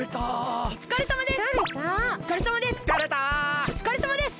おつかれさまです！